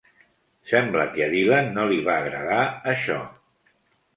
Sembla que a Dylan no li va agradar això.